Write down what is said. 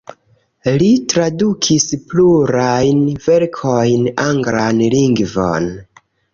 Li tradukis plurajn verkojn anglan lingvon.